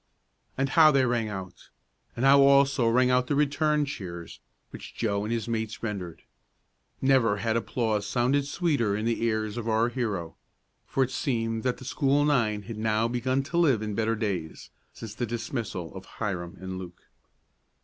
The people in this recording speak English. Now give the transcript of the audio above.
And how they rang out! And how also rang out the return cheers, which Joe and his mates rendered. Never had applause sounded sweeter in the ears of our hero, for it seemed that the school nine had now begun to live in better days, since the dismissal of Hiram and Luke.